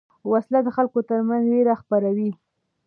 وسله د خلکو تر منځ وېره خپروي